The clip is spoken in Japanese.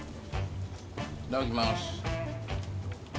いただきます。